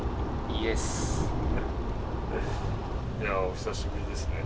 いやお久しぶりですね。